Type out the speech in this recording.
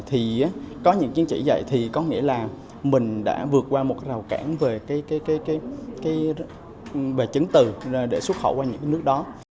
thì có những chứng chỉ vậy thì có nghĩa là mình đã vượt qua một rào cản về chứng từ để xuất khẩu qua những nước đó